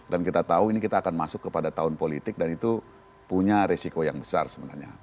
dan kita tahu ini kita akan masuk kepada tahun politik dan itu punya resiko yang besar sebenarnya